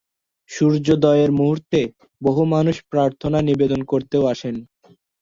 সূর্যোদয়ের মুহূর্তে বহু মানুষ প্রার্থনা নিবেদন করতেও আসেন।